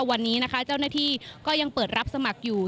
วันนี้นะคะเจ้าหน้าที่ก็ยังเปิดรับสมัครอยู่